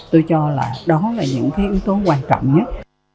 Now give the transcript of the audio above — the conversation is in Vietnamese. tôi cho là đó là những cái ứng tố quan trọng nhất